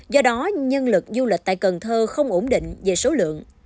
do đó nhân lực du lịch tại cần thơ không ổn định về số lượng